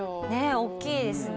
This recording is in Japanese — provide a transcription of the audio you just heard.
大っきいですね